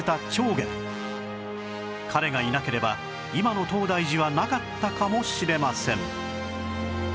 彼がいなければ今の東大寺はなかったかもしれません